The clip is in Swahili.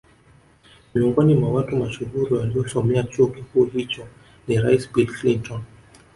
Miongoni mwa watu mashuhuri waliosomea chuo kikuu hicho ni rais Bill Clinton